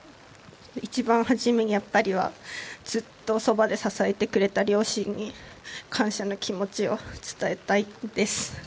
一番初めに、やっぱりはずっとそばで支えてくれた両親に感謝の気持ちを伝えたいです。